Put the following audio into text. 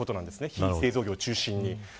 非製造業を中心に。